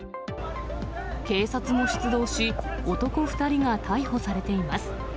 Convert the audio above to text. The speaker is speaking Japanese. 警察も出動し、男２人が逮捕されています。